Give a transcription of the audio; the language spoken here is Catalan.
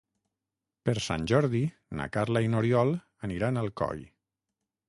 Per Sant Jordi na Carla i n'Oriol aniran a Alcoi.